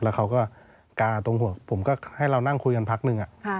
แล้วเขาก็กาตรงหัวผมก็ให้เรานั่งคุยกันพักหนึ่ง